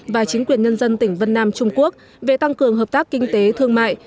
và chính quyền nhân dân tỉnh vân nam trung quốc về tăng cường hợp tác kinh tế thương mại